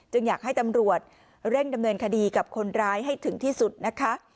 อยากให้ตำรวจเร่งดำเนินคดีกับคนร้ายให้ถึงที่สุดนะคะ